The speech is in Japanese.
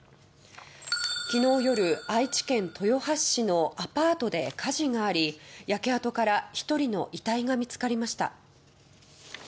昨日夜、愛知県豊橋市のアパートで火事があり焼け跡から１人の遺体が見つかりました。